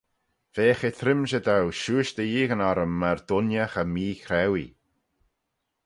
Veagh eh trimshey dou shiuish dy yeeaghyn orrym myr dooinney cho meechrauee.